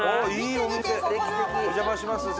お邪魔します。